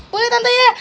boleh tante ya